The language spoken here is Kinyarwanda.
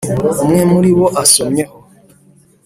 umwe muri bo asomyeho